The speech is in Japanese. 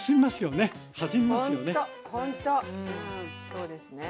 そうですね。